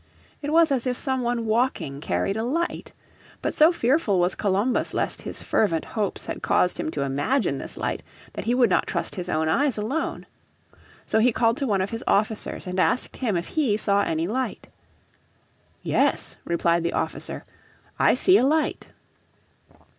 It was as if some one walking carried a light. But so fearful was Columbus lest his fervent hopes had caused him to imagine this light that he would not trust his own eyes alone. So he called to one of his officers and asked him if he saw any light. "Yes," replied the officer, "I see a light."